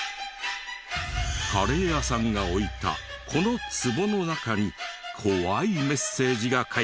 カレー屋さんが置いたこのツボの中に怖いメッセージが書いてあるらしい。